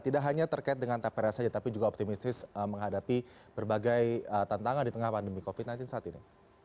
tidak hanya terkait dengan tps saja tapi juga optimistis menghadapi berbagai tantangan di tengah pandemi covid sembilan belas saat ini